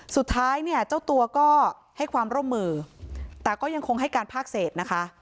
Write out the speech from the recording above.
สุดท้ายเนี่ยเจ้าตัวก็ให้ความร่วมมือแต่ก็ยังคงให้การภาคเศษนะคะ